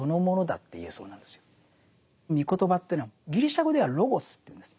み言葉というのはギリシャ語ではロゴスというんです。